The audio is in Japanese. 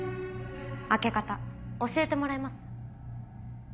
開け方教えてもらえます？